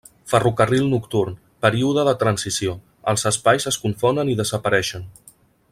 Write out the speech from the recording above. Ferrocarril nocturn, període de transició, els espais es confonen i desapareixen.